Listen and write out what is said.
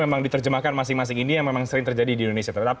memang diterjemahkan masing masing ini yang memang sering terjadi di indonesia